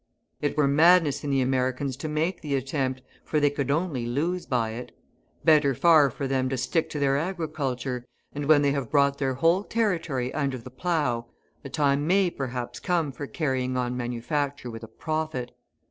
It were madness in the Americans to make the attempt, for they could only lose by it; better far for them to stick to their agriculture, and when they have brought their whole territory under the plough, a time may perhaps come for carrying on manufacture with a profit.